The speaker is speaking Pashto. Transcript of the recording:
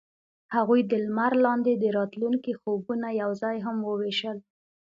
هغوی د لمر لاندې د راتلونکي خوبونه یوځای هم وویشل.